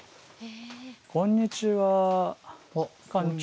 こんにちは館長。